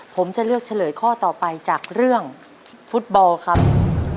ผมจะเลือกเฉลยข้อต่อไปจากเรื่องฟุตบอลครับ